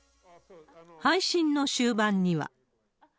配信の終盤には。